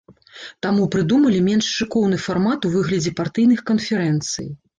Таму прыдумалі менш шыкоўны фармат у выглядзе партыйных канферэнцый.